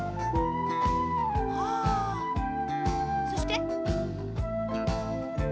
はあそして。